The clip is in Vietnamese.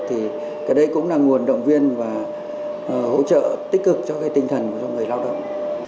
thì cái đấy cũng là nguồn động viên và hỗ trợ tích cực cho cái tinh thần của người lao động